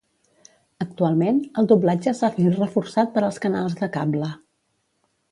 Actualment el doblatge s'ha vist reforçat per als canals de cable.